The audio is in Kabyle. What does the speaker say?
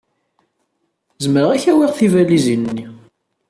Zemreɣ ad k-awiɣ tibalizin-nni.